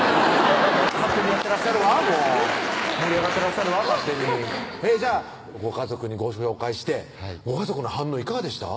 勝手にやってらっしゃるわもう盛り上がってらっしゃるわ勝手にじゃあご家族にご紹介してご家族の反応いかがでした？